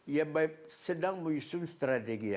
ya baik sedang menyusun strategi ya